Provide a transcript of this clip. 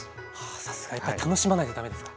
さすがやっぱり楽しまなきゃ駄目ですか？